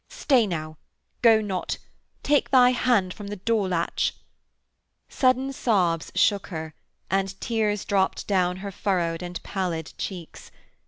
'Stay now; go not. Take thy hand from the door latch.' Sudden sobs shook her, and tears dropped down her furrowed and pallid cheeks.